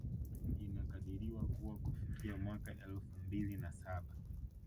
Inakadiriwa kuwa kufikia mwaka elfu mbili na saba